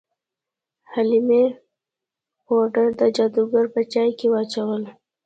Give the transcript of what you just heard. حلیمې پوډر د جادوګر په چای کې واچول.